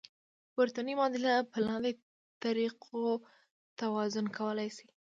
پورتنۍ معادله په لاندې طریقو توازن کولی شئ.